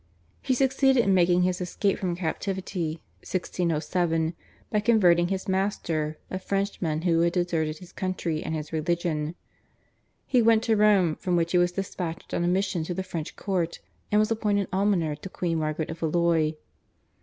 He succeeded in making his escape from captivity (1607) by converting his master, a Frenchman who had deserted his country and his religion. He went to Rome, from which he was despatched on a mission to the French Court, and was appointed almoner to queen Margaret of Valois.